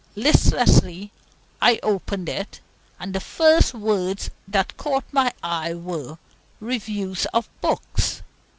Listlessly I opened it, and the first words that caught my eyes were "Reviews of Books."